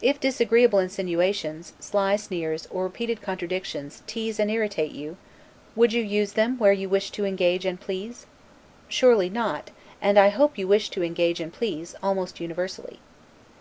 If disagreeable insinuations, sly sneers, or repeated contradictions, tease and irritate you, would you use them where you wish to engage and please? Surely not, and I hope you wish to engage and please, almost universally.